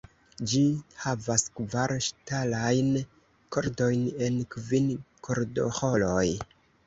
Ĝi havas kvar ŝtalajn kordojn en kvin kordoĥoroj.